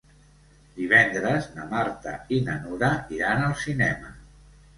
Divendres na Marta i na Nura iran al cinema.